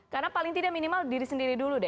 karena paling tidak minimal diri sendiri dulu